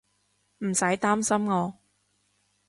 唔使擔心我